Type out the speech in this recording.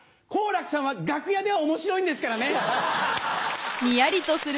好楽さんは楽屋では面白いんですからね！